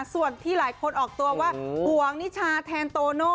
ส่วนที่หลายคนออกตัวว่าห่วงนิชาแทนโตโน่